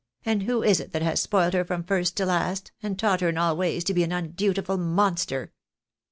And who is it that has spoilt her from first to last, and taught her in all ways to be an undutiful monster?"